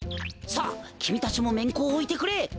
さあきみたちもめんこをおいてくれ。